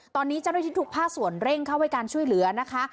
ตอนนี้จะได้ชิดถูกผ้าสวนเร่งเข้าไว้การช่วยเหลือนะคะ